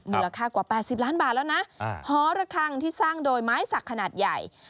มูลค่ากว่า๘๐ล้านบาทแล้วนะหอระคังที่สร้างโดยไม้สักขนาดใหญ่